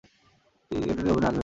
এতে তিনি অভিনয়ে আগ্রহী হয়ে ওঠেন।